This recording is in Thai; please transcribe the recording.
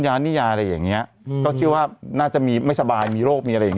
ยานิยาอะไรอย่างเงี้ยก็เชื่อว่าน่าจะมีไม่สบายมีโรคมีอะไรอย่างนี้